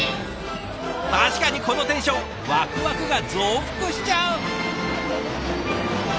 確かにこのテンションワクワクが増幅しちゃう！